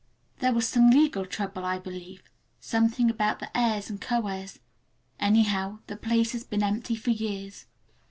There was some legal trouble, I believe, something about the heirs and co heirs; anyhow, the place has been empty for years.